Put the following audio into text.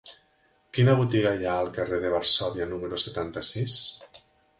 Quina botiga hi ha al carrer de Varsòvia número setanta-sis?